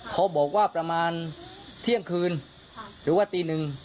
เขาบอกว่าประมาณเที่ยงคืนหรือว่าตีหนึ่ง